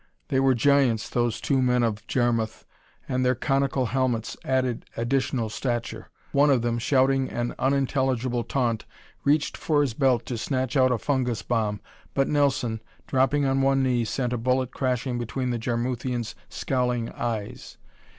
They were giants, those two men of Jarmuth, and their conical helmets added additional stature. One of them, shouting an unintelligible taunt, reached for his belt to snatch out a fungus bomb, but Nelson, dropping on one knee, sent a bullet crashing between the Jarmuthian's scowling eyes.